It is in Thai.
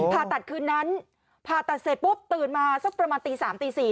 ผ่าตัดคืนนั้นผ่าตัดเสร็จปุ๊บตื่นมาสักประมาณตี๓ตี๔